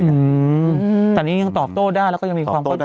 อืมอืมแต่นี้ยังตอบโต้ได้แล้วก็ยังมีความควรฟักการ